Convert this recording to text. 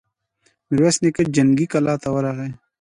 ميرويس نيکه جنګي کلا ته ورغی.